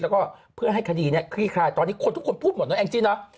แล้วก็เพื่อให้คดีนี้คลี่คลายตอนนี้คนทุกคนพูดหมดนะแองจี้เนอะ